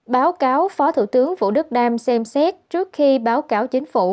báo cáo phó thủ tướng vũ đức đam xem xét trước khi báo cáo chính phủ